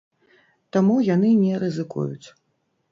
Таму яны не рызыкуюць.